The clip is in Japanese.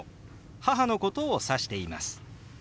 母のことを指しています。